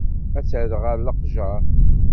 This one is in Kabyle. Ad t-rreɣ ɣer leqjer.